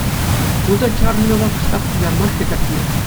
Ку та чарӑнӑва кӑштах куҫарма хӗтӗртнӗ.